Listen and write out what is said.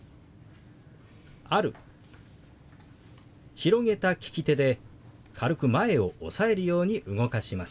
広げた利き手で軽く前を押さえるように動かします。